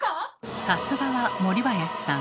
さすがは森林さん。